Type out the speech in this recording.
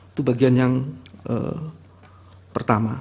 itu bagian yang pertama